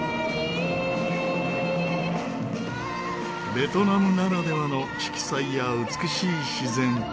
ベトナムならではの色彩や美しい自然。